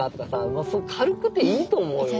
もう軽くていいと思うよ俺。